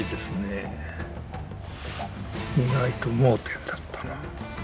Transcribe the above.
意外と盲点だったなあ。